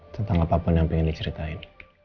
tentang apapun yang pengen diceritain